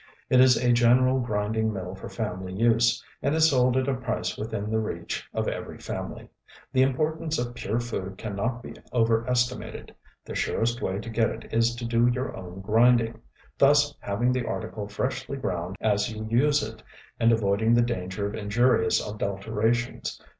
It is a general grinding mill for family use, and is sold at a price within the reach of every family. The importance of pure food can not be overestimated. The surest way to get it is to do your own grinding, thus having the article freshly ground as you use it, and avoiding the danger of injurious adulterations.